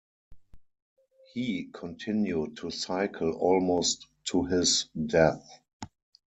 He continued to cycle almost to his death.